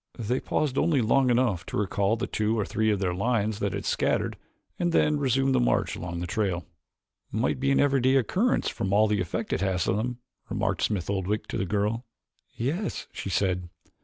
They paused only long enough to recall the two or three of their lions that had scattered and then resumed the march along the trail. "Might be an everyday occurrence from all the effect it has on them," remarked Smith Oldwick to the girl. "Yes," she said.